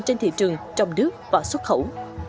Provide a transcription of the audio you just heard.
trên thị trường trong nước và xuất khẩu